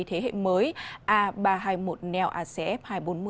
thế hệ mới a ba trăm hai mươi một neo acf hai trăm bốn mươi